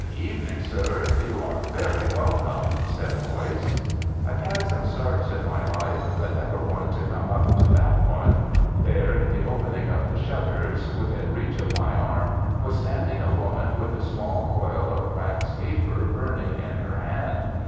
"Good evening, sir! You are very welcome!" said a voice. I've had some starts in my life, but never one to come up to that one. There, in the opening of the shutters, within reach of my arm, was standing a woman with a small coil of wax taper burning in her hand.